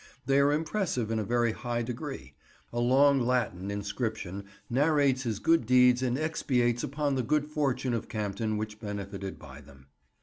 They are impressive in a very high degree. A long Latin inscription narrates his good deeds and expatiates upon the good fortune of Campden which benefited by them.